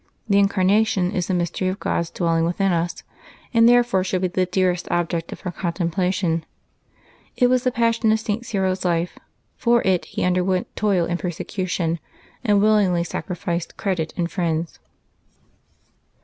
— The Incarnation is the mystery of God's dwelling within us, and therefore should be the dearest object of our contemplation. It was the passion of St. Cyril's life; for it he underwent toil and persecution, and willingly sacrificed credit and friends.